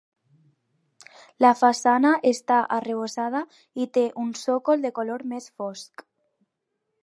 La façana està arrebossada i té un sòcol de color més fosc.